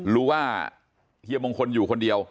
หรือว่าเฮียมงคลอยู่คนเดียว